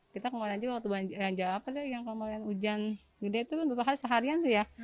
kita kemarin aja waktu banjir yang ujan gede itu beberapa hari seharian ya